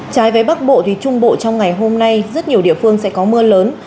trái với bắc bộ thì trung bộ trong ngày hôm nay rất nhiều địa phương sẽ có mưa lớn